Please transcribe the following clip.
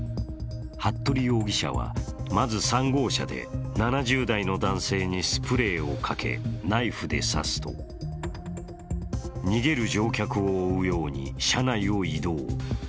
服部容疑者はまず３号車で７０代の男性にスプレーをかけ、ナイフで刺すと逃げる乗客を追うように車内を移動。